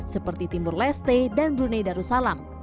seperti timur leste dan brunei darussalam